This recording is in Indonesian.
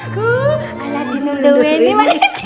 aku ala di nondowen nih maling